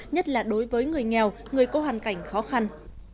nhất là đối với người nghèo người có hoàn cảnh khó khăn